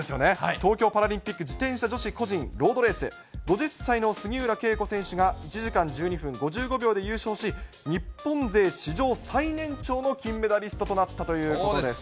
東京パラリンピック自転車女子個人ロードレース、５０歳の杉浦佳子選手が１時間１２分５５秒で優勝し、日本勢史上最年長の金メダリストとなったということです。